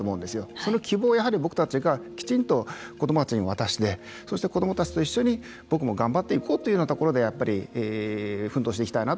それの希望を僕たちがきちんと子どもたちに渡してそして、子どもたちと一緒に僕も頑張っていこうというようなところでやっぱり奮闘していきたいなと